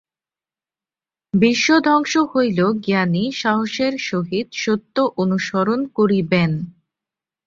বিশ্ব ধ্বংস হইলেও জ্ঞানী সাহসের সহিত সত্য অনুসরণ করিবেন।